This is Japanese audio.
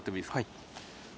はい。